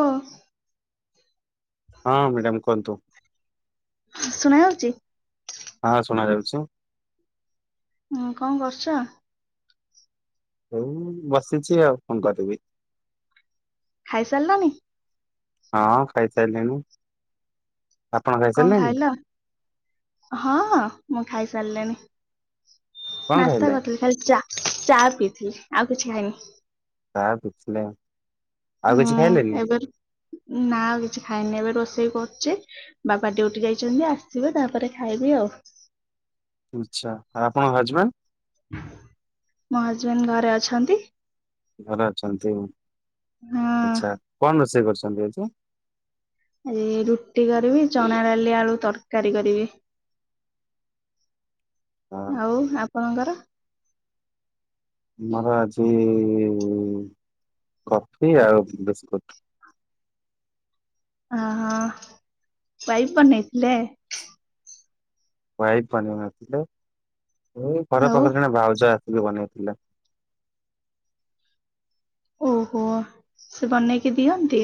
ଓ ହଁ ମ୍ୟାଡାମ୍ କୁହନ୍ତୁ। ହଁ ଶୁଣାଯାଉଚି। ଆ ଶୁଣାଯାଉଚି। ହୁଁ କଁ କରୁଚ? ଏଇ ବସିଛି ଆଉ କଁ କରିବି। ଖାଇ ସାରିଲଣି। ହଁ ଖାଇ ସାଇଲିଣି‌ କଁ ଖାଇଲ ହଁ ମୁଁ ଖାଇସାରିଲିଣି। କଣ ନାସ୍ତା ଖାଇଲେ? କରିଥିଲି ଖାଲି ଚା ଚା ପିଇଥିଲି ଆଉ କିଛି ଖାଇନି। ନା ଆଉ କିଛି ନାଇଁ। ନୁହଁ ଏବେ ଉଁ ନା ଆଉ କିଛି ଖାଇନି ଏବେ ରୋଷେଇ କରୁଚି। ବାପା ଡିଉଟି ଯାଇଛନ୍ତି ଆସିବେ ତାପରେ ଖାଇବି ଆଉ। ଉଚ୍ଛା ଆଉ ଆପଣଙ୍କ ହଜବ୍ୟାଣ୍ଡ? ମୋ ହଜବେଣ୍ଡ ଘରେ ଅଛନ୍ତି। ଘରେ ଅଛନ୍ତି ଆଉ ହଁ ଆଚ୍ଛା କଣ ରୋଷେଇ କରୁଛନ୍ତି ଆଜି? ଆଜି ରୁଟି କରିବି ଚଣା ଡାଲି ଆଳୁ ତରକାରୀ କରିବି। ହଁ ଆଉ ଆପଣଙ୍କର? ଆମର ଆଜି କଫି ଆଉ ବିସ୍କୁଟ। ଓହୋ ୱାଇଫ୍ ବନେଇଥିଲେ। ୱାଇଫ୍ ବନେଇ ନଥିଲେ ଏ ଘର ଆଉ ପାଖେରେ ଜଣେ ଭାଉଜ ଆସିକି ବନେଇଥିଲେ। ଓହୋ ସିଏ ବନେଇକି ଦିଅନ୍ତି।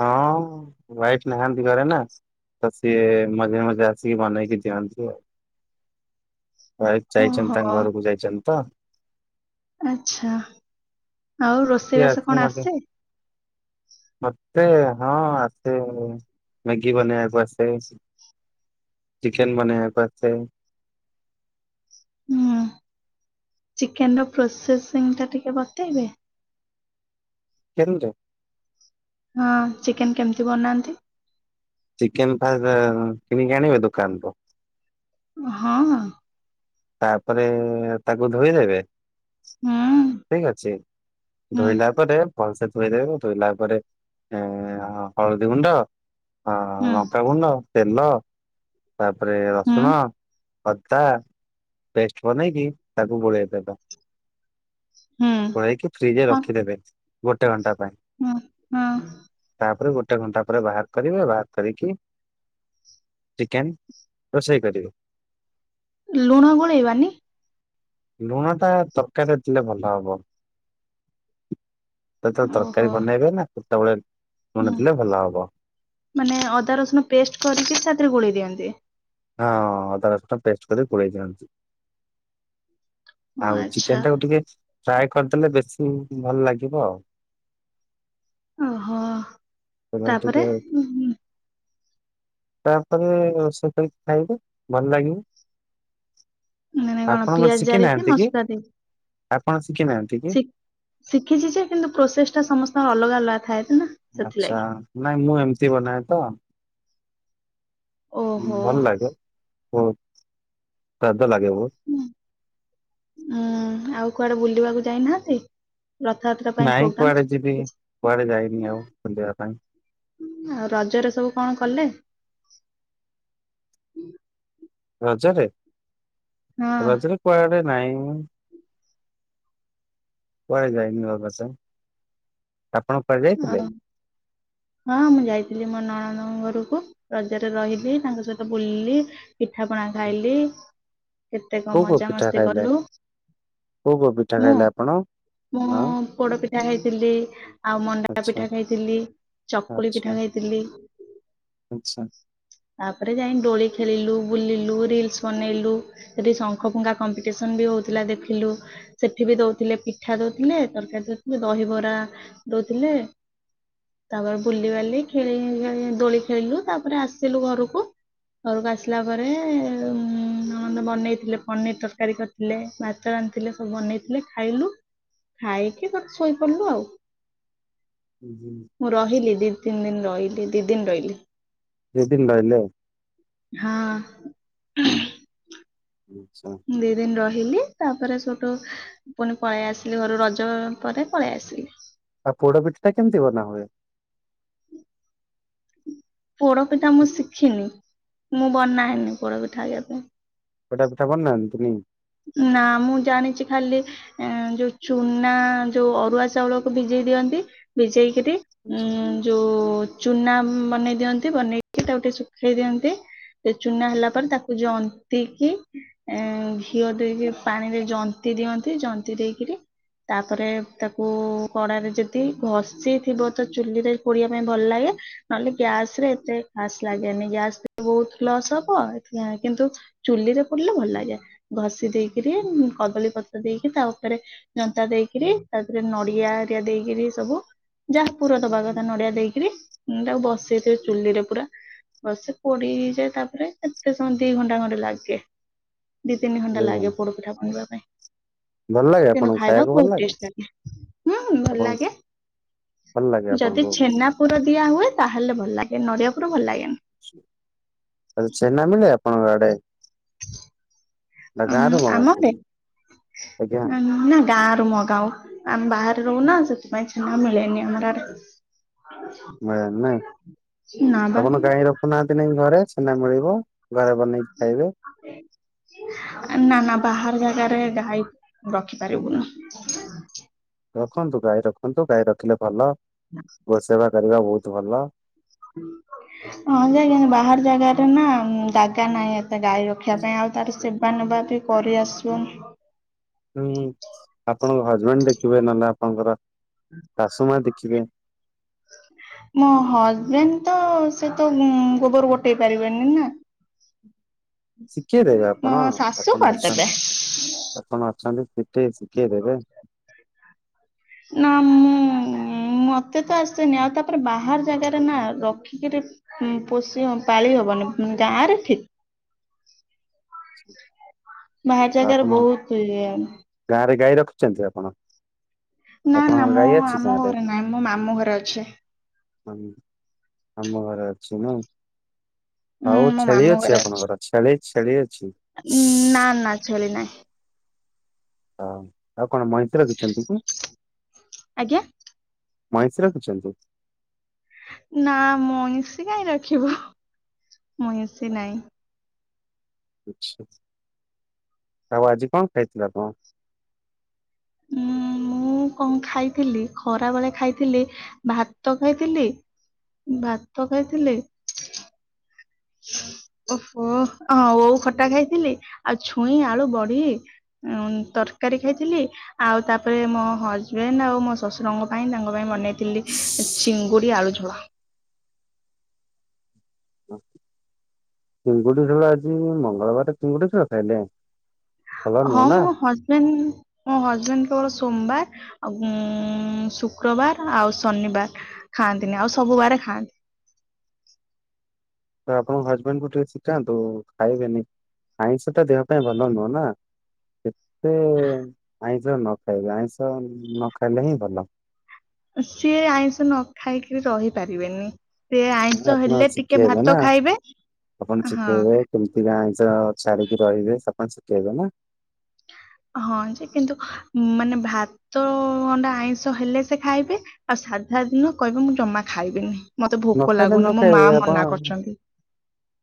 ହଁ ୱାଇଫ୍ ନାହାନ୍ତି ଘରେ ନା। ତ ସିଏ ମଝିରେ ମଝିରେ ଆସିକି ବନେଇକି ଦିଅନ୍ତି ଆଉ। ୱାଇଫ୍ ଯାଇଛନ୍ତି ତାଙ୍କ ଓହୋ। ଘରୁକୁ ଯାଇଛନ୍ତି ତ। ଆଛା ଆଉ ସିଏ ରୋଷେଇବାସ ଆସି କଣ ଆସେ। ତେ ହଁ ଆସେ ମ୍ୟାଗି ବନେଇବାକୁ ଆସେ। ଚିକେନ୍ ବନେଇବାକୁ ଆସେ। ହୁଁ ଚିକେନର ପ୍ରୋସେସିଂଟା ଟିକେ ବତେଇବେ। କେନର ହଁ ଚିକେନ୍ କେମତି ବନାନ୍ତି? ଚିକେନ୍ ଫାଷ୍ଟେ ଉଁ କିଣିକି ଆଣିବ ଦୋକାନରୁ। ହଁ। ତାପରେ ତାକୁ ଧୋଇଦେବେ ହୁଁ ଠିକ୍ ଅଛି। ହୁଁ ଧୋଇଲା ପରେ ଭଲ ସେ ଧୋଇ ଦେବେ ଧୋଇଲା ପରେ ଏଁ ହଳଦୀଗୁଣ୍ଡ ଆଁ ହୁଁ ଲଙ୍କାଗୁଣ୍ଡ ତେଲ ତାପରେ ହୁଁ ରସୁଣ, ଅଦା ପେଷ୍ଟ ବନେଇକି ତାକୁ ଗୋଳେଇଦେବା। ହୁଁ। ଗୋଳେଇକି ଫ୍ରିଜରେ ହଁ ରଖିଦେବେ ଗୋଟେ ଘଣ୍ଟା ପାଇଁ। ହଁ ହଁ ତାପରେ ଗୋଟେ ଘଣ୍ଟା ପରେ ବାହାର କରିବେ ବାହାର କରିକି ଚିକେନ୍ ରୋଷେଇ କରିବେ। ଲୁଣ ଗୋଳେଇବାନି? ଲୁଣ ଟା ତରକାରୀ ଦେଇଥିଲେ ଭଲ ହବ। ଯେତେବେଳେ ଓହୋ ତରକାରୀ ବନେଇବେ ନା ସେତେବେଳେ ହୁଁ ଲୁଣ ଦେଲେ ଭଲ ହବ। ମାନେ ଅଦା, ରସୁଣ ପେଷ୍ଟ କରିକି ତାଦେହରେ ଗୋଳେଇ ଦିଅନ୍ତି। ହଁ ଅଦା, ରସୁଣ ପେଷ୍ଟ କରି ଗୋଳେଇ ଦିଅନ୍ତି। ଓ ଆଉ ଆଚ୍ଛା ଚିକେନ ଟାକୁ ଟିକେ ଫ୍ରାଏ କରିଦେଲେ ବେଶୀ ଭଲ ଲାଗିବ ଆଉ? ଓହୋ ତାପରେ ଉଁ, [unintelligible] ତାପରେ ସେ [unintelligible] ଖାଇବେ ଭଲ ଲାଗିବ। ମାନେ କଣ ପିଆଜ ଶିଖି ଜାରିକି ନାହାନ୍ତି କି ମସଲା ଦେଇକି ଆପଣ ଶିଖି ନାହାନ୍ତି? ଶି ଶିଖିଛି ଯେ କିନ୍ତୁ ପ୍ରୋସେସ ଟା ସମସ୍ତଙ୍କର ଅଲଗା ଅଲଗା ଥାଏ ନା। ସେଥିଲାଗି। ଆଛା ନାଇଁ ମୁଁ ଏମିତି ବନାଏ ତ। ଓହୋ ଭଲ ଲାଗେ ବହୁତ ସ୍ୱାଦ ଲାଗେ ବହୁତ। ଉଁ ଆଉ କୁଆଡେ ବୁଲିବାକୁ ଯାଇନାହାନ୍ତି? ରଥାଯାତ୍ରା ନାଇଁ କୁଆଡେ ଯିବି କୁଆଡେ ଯାଇନି ଆଉ ବୁଲିବା ପାଇଁ? ଆଉ ରଜରେ ସବୁ କଣ କଲେ? ରଜରେ ହଁ ରଜରେ କୁଆଡେ ନାଇଁ କୁଆଡ଼େ ଯାଇନି ବାସ, ଆପଣ କୁଆଡ଼େ ଯାଇଥିଲେ? ଆଉ ହଁ ମୁଁ ଯାଇଥିଲି ମୋ ନଣନ୍ଦଙ୍କ ଘରକୁ ରଜରେ ରହିଲି ତାଙ୍କ ସହିତ ବୁଲିଲି। ପିଠା ପଣା ଖାଇଲି କେତେ କଣ କୋଉ କୋଉ ମଜା ପିଠା ମସ୍ତି ଖାଇଲେ କଲୁ। କୋଉ କୋଉ ପିଠା ମୁଁ, ଖାଇଲେ ଆପଣ ହଁ ମୁଁ ପୋଡ଼ ପିଠା ଖାଇଥିଲି। ଆଉ ମଣ୍ଡା ଆଚ୍ଛା ପିଠା ଖାଇଥିଲି, ଚକୁଳି ଆଚ୍ଛା ପିଠା ଖାଇଥିଲି। ଆଚ୍ଛା ତାପରେ ଯାଇ ଦୋଳି ଖେଳିଲୁ ବୁଲିଲୁ ରିଲସ ବନେଇଲୁ। ସେଠି ଶଙ୍ଖ ଫୁଙ୍କା କମ୍ପିଟିସନ ବି ହଉଥିଲା ଦେଖିଲୁ। ସେଠି ବି ଦଉଥିଲେ ପିଠା ଦଉଥିଲେ ତରକାରୀ ଦଉଥିଲେ ଦହିବରା ଦଉଥିଲେ। ତାପରେ ବୁଲିବାଲି ଖେଳି ଦୋଳି ଖେଳିଲୁ ତାପରେ ଆସିଲୁ ଘରକୁ। ଘରକୁ ଆସିଲା ପରେ ଉଁ ନଣନ୍ଦ ବନେଇଥିଲେ ପନିର ତରକାରୀ କରି ଥିଲେ ଭାତ ରାନ୍ଧିଥିଲେ ସବୁ ବନେଇଥିଲେ ଖାଇଲୁ ଖାଇକି ତାପରେ ଶୋଇପଡ଼ିଲୁ ଆଉ। ହୁଁ, ହୁଁ। ମୁଁ ରହିଲି ଦୁଇ ତିନି ଦିନ ରହିଲି ଦୁଇ ଦିନ ରହିଲି। ଦୁଇ ଦିନ ରହିଲେ? ହଁ। ଆଚ୍ଛା। ଦୁଇ ଦିନ ରହିଲି ତାପରେ ସେଠୁ ପୁଣି ପଳେଇ ଆସିଲି ଘରୁ ରଜ ପରେ ପଳେଇ ଆସିଲି। ଆଉ ପୋଡ଼ ପିଠି ଟା କେମତି ବନା ହୁଏ? ପୋଡ଼ପିଠା ମୁଁ ଶିଖିନି ମୁଁ ବନାଏନି ପୋଡ଼ପିଠା କେବେ? ପୋଡ଼ପିଠା ବନାନ୍ତିନି? ନା ମୁଁ ଜାଣିଛି ଖାଲି ଏଁ ଯୋଉ ଚୁନା ଯୋଉ ଅରୁଆ ଚାଉଳକୁ ଭିଜେଇ ଦିଅନ୍ତି। ଭିଜେଇକିରି ଉଁ ଯୋଉ ଚୁନା ବନେଇ ଦିଅନ୍ତି। ବନେଇକି ତାକୁ ଟିକେ ଶୁଖେଇ ଦିଅନ୍ତି। ସେ ଚୁନା ହେଲା ପରେ ତାକୁ ଜନ୍ତିକି ଏଁ ଘିଅ ଦେଇକି ପାଣିରେ ଜନ୍ତି ଦିଅନ୍ତି। ଜନ୍ତି ଦେଇକିରି ତାପରେ ତାକୁ କଡାରେ ଯଦି ଘଷି ଥିବ ତ ଚୁଲିରେ ପୋଡିବା ପାଇଁ ଭଲ ଲାଗେ। ନହେଲେ ଗ୍ୟାସରେ ଏତେ ଖାସ୍ ଲାଗେନି ଗ୍ୟାସରେ ବୋହୁତ ଲସ୍ ହବ କେ କିନ୍ତ ଚୁଲିରେ ପୋଡିଲେ ଭଲ ଲାଗେ। ଘଷି ଦେଇକିରି କଦଳୀ ପତ୍ର ଦେଇକି ତା ଉପରେ ଜନ୍ତା ଦେଇକିରି ତା ଦେହେରେ ନଡିଆ ହେରିଆ ଦେଇକିରି ସବୁ ଯାହା ପୂରା ଦବା କଥା ନଡିଆ ଦେଇକିରି ତାକୁ ବସେଇଦେବେ ଚୁଲିରେ ପୁରା। ଭଲସେ ପୋଡି ହେଇଯାଏ ତାପରେ କେତେ ସମୟ ଦି ଘଣ୍ଟା ଘଣ୍ଟେ ଲାଗେ। ଦି ତିନି ଘଣ୍ଟା ଲାଗେ ପୋଡପିଠା ବନିବା ପାଇଁ। ଭଲ ଲାଗେ କିନ୍ତୁ ଆପଣଙ୍କୁ ଖାଇବାକୁ ଭଲ ବୋହୁତ ଟେଷ୍ଟ ଲାଗେ। ହୁଁ ଭଲ ଆପଣ ଲାଗେ। ଭଲ ଲାଗେ ଯଦି ଆପଣଙ୍କୁ ଛେନା ପୁର ଦିଆ ହୁଏ ତାହେଲେ ଭଲ ଲାଗେ ନଡିଆ ପୁର ଭଲ ଲାଗେନି। ଛେନା ମିଳେ ଆପଣଙ୍କ ଆଡେ? ନା ଗାଁରୁ ଉଁ ଆମ ମଗାନ୍ତି ଆଡେ ଆଜ୍ଞା ଉଁ ନାଁମ ଗାଁ ରୁ ମଗାଉ ଆମେ ବାହାରେ ରହୁନା ସେଥିପାଇଁ ଛେନା ମିଳେନି ଆମର ଆଡେ। ମିଳେ ନାଇଁ ନା ଆପଣ ବା ଗାଈ ରଖୁନାହାନ୍ତି ନେଇକି ଘରେ ଛେନା ମିଳିବ। ଘରେ ବନେଇକି ଖାଇବେ। ନା ନା ବାହାର ଜାଗାରେ ଗାଈ ରଖିପାରିବୁନୁ। ରଖନ୍ତୁ ଗାଈ ରଖନ୍ତୁ ଗାଈ ରଖିଲେ ଭଲ। ହଁ। [inaudible] ଗୋ ସେବା କରିବା ବୋହୁତ ଭଲ। [unintelligible] ହଁ ଯେ କିନ୍ତୁ ବାହାର ଜାଗାରେ ନା ଜାଗା ନାହିଁ ଏତେ ଗାଈ ରଖିବା ପାଇଁ ଆଉ ତାର ସେବା ନବା ବି କରି ଆସିବନି। ହୁଁ ଆପଣଙ୍କ ହଜବେଣ୍ଡ ଦେଖିବେ ନହେଲେ ଆପଣଙ୍କର ଶାଶୁ ମା ଦେଖିବେ। ମୋ ହଜବେଣ୍ଡ ତ ସେତ ଉଁ ଗୋବର ଗୋଟେଇ ପାରିବେନି ନା। ଶିଖେଇ ଦେବେ ଆପଣ ମୋ ଶାଶୁ ଆପଣ ଅଛନ୍ତି କରିଦେବେ। ଆପଣ ଅଛନ୍ତି ଶିକେଇ ଶିଖେଇ ଦେବେ। ନାଁ ମୁଁ ଉଁ ମତେ ତ ଆସେନି ଆଉ ତାପରେ ବାହାର ଜାଗାରେ ନା ରଖିକିରି ହୁଁ ପୋଷି ହ ପାଳି ହବନି ଗାଁରେ ଠିକ୍। ବାହାର ଜାଗାରେ ବୋହୁତ ଇଏ। ଗାଁରେ ଗାଈ ରଖିଚନ୍ତି ଆପଣ? ନା ନା ଆପଣଙ୍କ ମୋ ଗାଈ ଅଛି ଆମ ଗାଁ ରେ? ଘରେ ନାହିଁ ମୋ ମାମୁଁ ଘରେ ଅଛି। ହଁ ମାମୁଁ ଘରେ ଅଛି ନାଇ ହୁଁ ଆଉ ମୋ ଛେଳି ମାମୁଁ ଅଛି ଆପଣଙ୍କର? ଛେଳି ଛେଳି ଅଛି? ଉଁ ନା ନା ଛେଳି ନାହିଁ। ଆଉ ଆଉ କଣ ମଇଁଷି ରଖିଚନ୍ତି କି? ଆଜ୍ଞା। ମଇଁଷି ରଖିଛନ୍ତି? ନାଁ ମଇଁଷି କାଇଁ ରଖିବୁ [unintelligible] ମଇଁଷି ନାଇଁ। କିଛି [unintelligible] ଆଉ ଆଜି କଣ ଖାଇଥିଲ ଆପଣ? ହୁଁ। ମୁଁ କଣ ଖାଇଥିଲି, ଖରା ବେଳେ ଖାଇଥିଲି ଭାତ ଖାଇଥିଲି ଭାତ ଖାଇଥିଲି ଓହୋ ହଁ ଓଉ ଖଟା ଖାଇଥିଲି ଆଉ ଛୁଇଁ, ଆଳୁ, ବଡି ଉ-ଉ-ଉ ତରକାରୀ ଖାଇଥିଲି। ଆଉ ତାପରେ ମୋ ହଜବେଣ୍ଡ ଆଉ ମୋ ଶଶୁରଙ୍କ ପାଇଁ ତାଙ୍କ ପାଇଁ ବନେଇଥିଲି ଚିଙ୍ଗୁଡି ଆଳୁ ଝୋଳ। ଚିଙ୍ଗୁଡି ଝୋଳ ଆଜି-ଇ-ଇ-ଇ ମଙ୍ଗଳବାରେ ଚିଙ୍ଗୁଡି ଖାଅ ତାହେଲେ? ହଁ ମୋ ହଜବେଣ୍ଡ ମୋ ହଜବେଣ୍ଡଙ୍କର ସୋମବାର ଆଉଁ-ଉ-ଉ-ଉ ଶୁକ୍ରବାର ଆଉ ଶନିବାର। ଖାଆନ୍ତିନି ଆଉ ସବୁ ବାରେ ଖାଆନ୍ତି। ତ ଆପଣଙ୍କ ହଜବେଣ୍ଡ କୁ ଟିକେ ଶିଖାନ୍ତୁ ଖାଇବେନି ଆଇଁଷ ଟା ଦେହ ପାଇଁ ଭଲ ନୁହଁ ନା। ଯେତେ-ଏ-ଏ-ଏ ଆଇଁଷ ନ ଖାଇବେ ଆଇଁଷ ନ ଖାଇଲେ ହିଁ ଭଲ। ସିଏ ଆଇଁଷ ନ ଖାଇକିରି ରହିପାରିବେନି। ସେ ନାଇଁ ଆଇଁଷ ଆପଣ ହେଲେ ଟିକେ ଶିଖେଇବେ ଭାତ ନା। ଖାଇବେ ଆପଣ ହଁ। ଶିଖେଇବେ କେମିତି ଆଇଁଷ-ଅ-ଅ ଛାଡିକି ରହିବେ ସପଣ ଶିଖେଇବେ ନା। ହଁ ଯେ କିନ୍ତୁ ମାନେ ଭାତ-ଅ-ଅ ଅଣ୍ଡା ଆଇଁଷ ହେଲେ ସେ ଖାଇବେ ଆଉ ସାଧା ଦିନ କହିବେ ମୁଁ ଜମା ଖାଇବିନି ମତେ ନ ଭୋକ ଖାଇଲେ ନ ଲାଗୁନି ମୋ ମା ଖାଇବେ ଆପଣ ମନା କରିଛନ୍ତି।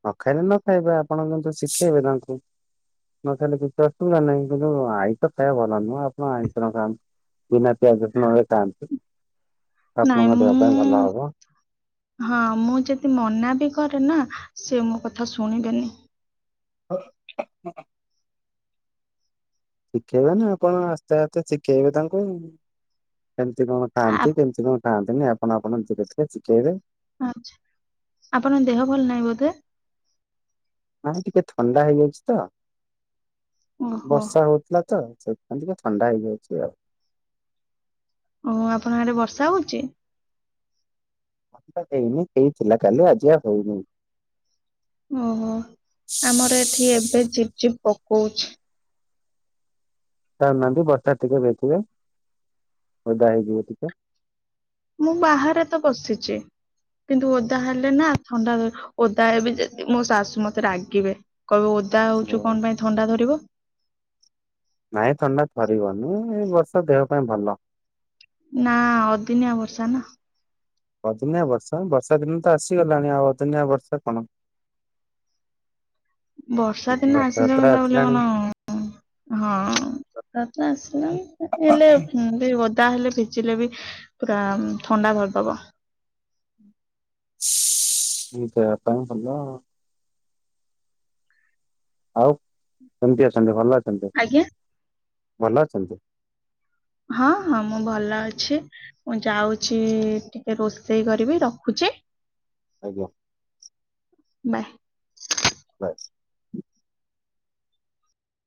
ନ ଖାଇଲେ ନ ଖାଇବେ ଆପଣ କିନ୍ତୁ ଶିଖେଇବେ ତାଙ୍କୁ। ନ ଖାଇଲେ କିଛି ଅସୁବିଧା ନାହିଁ କିନ୍ତୁ ଆଇଁଷ ଖାଇବା ଭଲ ନୁହଁ ଆପଣ ଆଇଁଷ ନ ଖାଆନ୍ତୁ। ବିନା ପିଆଜ ରସୁଣରେ ଖାଆନ୍ତୁ ନାଇଁ ଆପଣଙ୍କ ଦେହ ପାଇଁ ମୁଁ ଭଲ ହବ। ହଁ ମୁଁ ଯଦି ମନା ବି କରେ ନା ସେ ମୋ କଥା ଶୁଣିବେନି। ହ ହ ଶିଖେଇବେ ନା ଆପଣ ଆସ୍ତେ ଆସ୍ତେ ଶିଖେଇବେ ତାଙ୍କୁ। କେମିତି କଣ ଖାଆନ୍ତି କେମିତି କଣ ଖାଆନ୍ତିନି ଆପଣ ଆପଣ ଧିରେ ଧିରେ ଶିଖେଇବେ। ଆଛା ଆପଣଙ୍କ ଦେହ ଭଲ ନାହିଁ ବୋଧେ? ନାଇ ଟିକେ ଥଣ୍ଡା ହେଇଯାଇଛି ତ, ଓହୋ ବର୍ଷା ହଉଥିଲା ତ। ସେଇଥିପାଇଁ ଟିକେ ଥଣ୍ଡା ହେଇଯାଇଛି ଆଉ। ଓ ହୋ ଆପଣଙ୍କ ଆଡେ ବର୍ଷା ହଉଛି? ଆ ହେଇନି ହେଇଥିଲା କାଲି ଆଜି ଆଉ ହେଇନି। ଓହୋ ଆମର ଏଠି ଏବେ ଝିପ୍ ଝିପ୍ ପକଉଛି। ଯାଉନାହାନ୍ତି ବର୍ଷା ଟିକେ ଭେଦିବେ ଓଦା ହେଇଯିବେ ଟିକେ। ମୁଁ ବାହାରେ ତ ବସିଛି। କିନ୍ତୁ ଓଦା ହେଲେ ନା ଥଣ୍ଡା ଧ ଓଦା ହେବି ଯଦି ମୋ ଶାଶୁ ମତେ ରାଗିବେ କହିବେ ଓଦା ଆଚ୍ଛା ହଉଛୁ କଣ ପାଇଁ। ଥଣ୍ଡା ଧରିବ। ନାଇଁ ଥଣ୍ଡା ଥରିବନି-ଇ-ଇ ଏଇ ବର୍ଷ ଦେହ ପାଇଁ ଭଲ। ନା-ଆ-ଆ-ଆ ଅଦିନିଆ ବର୍ଷା ନା। ଅଦିନିଆ ବର୍ଷା ବର୍ଷା ଦିନ ତ ଆସିଗଲାଣି। ଆଉ ଅଦିନିଆ ବର୍ଷା କଣ? ବର୍ଷା ଦିନ ଆସିଲା ବ ରଥଯାତ୍ରା ତା ବୋଲି ଆସିଲାଣି କଣ-ଅ-ଅ ହ ହଁ-ଅ-ଅ ହଠାତ୍ ଆସିଲା ଇଁ ହେଲେ ଓଦା ହେଲେ ଭି ଚିଲେ ବିି ପୁରା-ଆ-ଆ ଥଣ୍ଡା ଧରିଦବ। ଦେହ ପାଇଁ ଭଲ। ଆଉ କେମିତି ଅଛନ୍ତି ଭଲ ଅଛନ୍ତି, ଆଜ୍ଞା। ଭଲ ଅଛନ୍ତି? ହଁ ହଁ ମୁଁ ଭଲ ଅଛି। ମୁଁ ଯାଉଛି-ଇ-ଇ-ଇ ଟିକେ ରୋଷେଇ କରିବି ରଖୁଛି। ଆଜ୍ଞା। ବାଏ। ବାଏ।